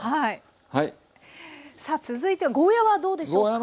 さあ続いてはゴーヤーはどうでしょうか。